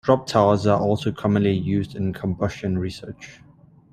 Drop towers are also commonly used in combustion research.